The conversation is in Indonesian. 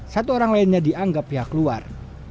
satu orang lainnya dianggap pihak luar